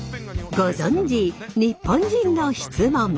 ご存じ「日本人の質問」。